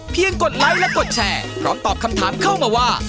กดไลค์และกดแชร์พร้อมตอบคำถามเข้ามาว่า